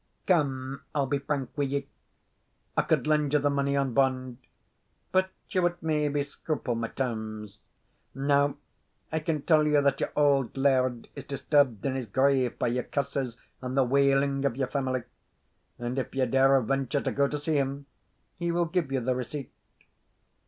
"Come, I'll be frank wi' you; I could lend you the money on bond, but you would maybe scruple my terms. Now I can tell you that your auld laird is disturbed in his grave by your curses and the wailing of your family, and if ye daur venture to go to see him, he will give you the receipt."